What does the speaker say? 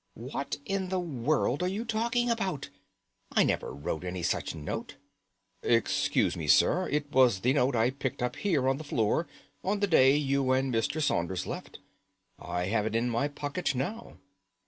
"What in the world are you talking about? I never wrote any such note." "Excuse me, sir, it was the note I picked up here on the floor on the day you and Mr. Saunders left. I have it in my pocket now."